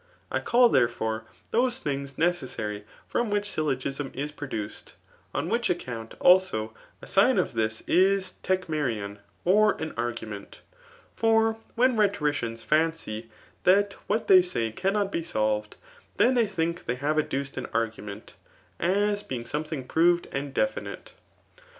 I call, ihmfove^ those thisgs neosssary from which syllogism is ptoduced ; on which aooouftt» also^ a ittgu of this kind is i tk m er ion^ or an vgiunant For when rhstoricmoa fisacy that what they say cannot be acdved, then they tfitnk they have adduced an argument, as being some^ liking pffoved and definite.